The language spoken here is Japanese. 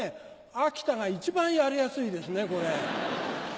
秋田が一番やりやすいですねこれ。